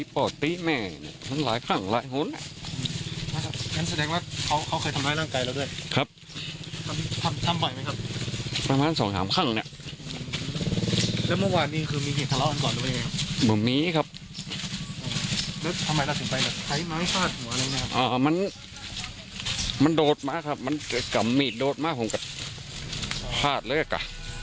พลาดเลือกอ่ะ